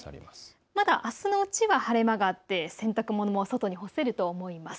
まだ、あすのうちは晴れ間があって洗濯物も外に干せると思います。